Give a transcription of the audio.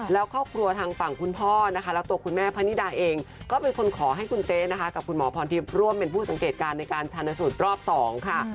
แล้วครอบครัวทางฝั่งคุณพ่อนะคะแล้วตัวคุณแม่พะนิดาเองก็เป็นคนขอให้คุณเต๊นะคะกับคุณหมอพรทิพย์ร่วมเป็นผู้สังเกตการณ์ในการชาญสูตรรอบ๒ค่ะ